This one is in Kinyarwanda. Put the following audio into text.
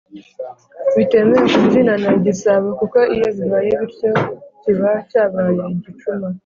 bitemewe kubyinana igisabo kuko iyo bibaye bityo kiba cyabaye igicuma.